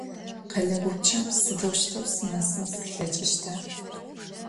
Къэлэ гупчэм сыдэущтэу сынэсын слъэкӏыщта?